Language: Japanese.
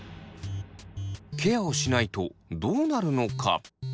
ケアをしないとどうなるのか？